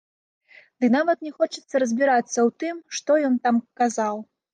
Ды нават не хочацца разбірацца ў тым, што ён там казаў.